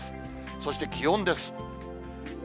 そして気温です。